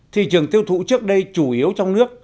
thị trường tiêu thụ trước đây chủ yếu trong nước